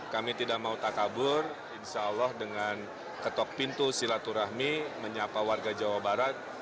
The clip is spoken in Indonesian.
kami tidak mau tak kabur insya allah dengan ketok pintu silaturahmi menyapa warga jawa barat